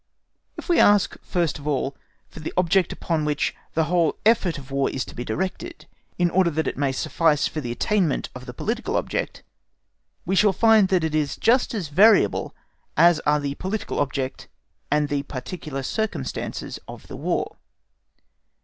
If we ask, first of all, for the object upon which the whole effort of War is to be directed, in order that it may suffice for the attainment of the political object, we shall find that it is just as variable as are the political object and the particular circumstances of the War.